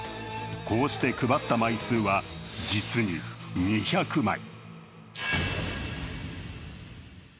こうして配った枚数は実に２００枚。